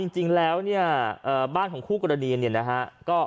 จริงแล้วเนี่ยบ้านของคู่กรณีเนี่ยนะฮะ